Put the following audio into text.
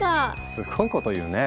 すごいこと言うね。